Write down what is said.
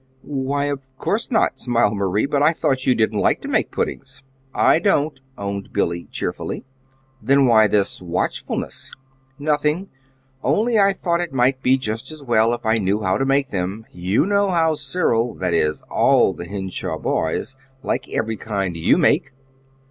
"Why, of course not," smiled Marie, "but I thought you didn't like to make puddings." "I don't," owned Billy, cheerfully. "Then why this watchfulness?" "Nothing, only I thought it might be just as well if I knew how to make them. You know how Cyril that is, ALL the Henshaw boys like every kind you make."